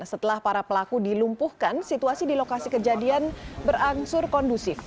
setelah para pelaku dilumpuhkan situasi di lokasi kejadian berangsur kondusif